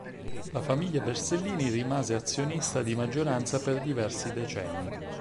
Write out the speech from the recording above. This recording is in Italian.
La famiglia Bersellini rimase azionista di maggioranza per diversi decenni.